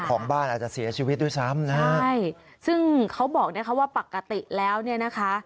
ของบ้านอาจจะเสียชีวิตด้วยซ้ำนะฮะใช่ซึ่งเขาบอกนะคะว่าปกติแล้วเนี่ยนะคะ